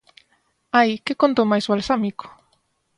Ai, que conto mais balsámico!